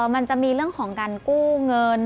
มันจะมีเรื่องของการกู้เงิน